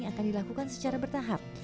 akan dilakukan secara bertahap